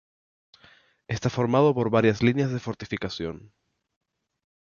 Está formado por varias líneas de fortificación.